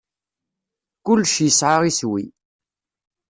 Kullec yesɛa iswi.